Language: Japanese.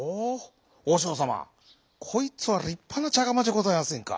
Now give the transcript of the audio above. おしょうさまこいつはりっぱなちゃがまじゃございませんか。